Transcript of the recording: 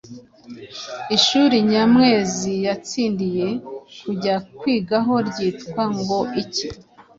Ishuri Nyamwezi yatsindiye kujya kwigaho ryitwa ngo iki?